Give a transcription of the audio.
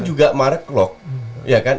juga mark lok ya kan